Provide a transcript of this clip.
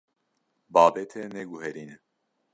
Babetê neguherîne.